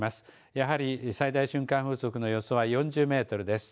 やはり最大瞬間風速の予想は４０メートルです。